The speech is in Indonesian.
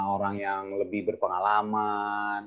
orang yang lebih berpengalaman